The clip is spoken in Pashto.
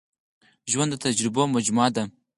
ژوند د تجربو مجموعه ده.